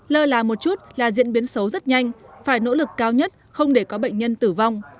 lơ là một chút là diễn biến xấu rất nhanh phải nỗ lực cao nhất không để có bệnh nhân tử vong